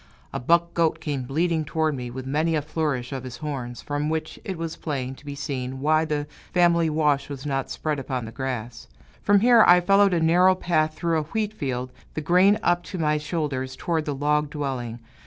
A buck goat came bleating toward me, with many a flourish of his horns, from which it was plain to be seen why the family wash was not spread upon the grass. From here I followed a narrow path through a wheat field, the grain up to my shoulders, toward the log dwelling.